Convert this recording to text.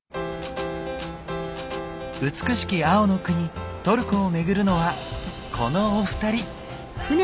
美しき青の国トルコをめぐるのはこのお二人！